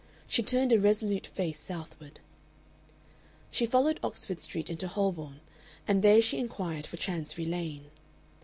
She turned a resolute face southward. She followed Oxford Street into Holborn, and then she inquired for Chancery Lane.